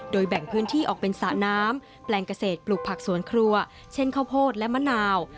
แบ่งพื้นที่ออกเป็นสระน้ำแปลงเกษตรปลูกผักสวนครัวเช่นข้าวโพดและมะนาว